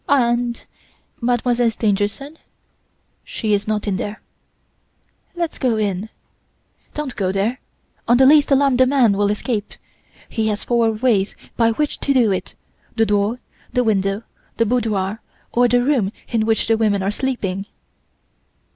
"'And Mademoiselle Stangerson?' "'She is not in there.' "'Let's go in.' "'Don't go there! On the least alarm the man will escape. He has four ways by which to do it the door, the window, the boudoir, or the room in which the women are sleeping.